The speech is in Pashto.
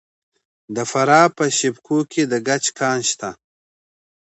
د فراه په شیب کوه کې د ګچ کان شته.